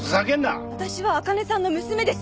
私はあかねさんの娘です。